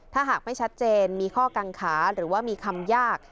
ถ้าหากไม่ชัดเจนมีข้อกังขาหรือว่ามีคำยาก